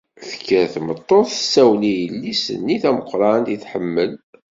Tekker tmeṭṭut tessawel i yelli-s-nni tameqqrant i tḥemmel.